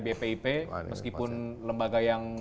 bpib meskipun lembaga yang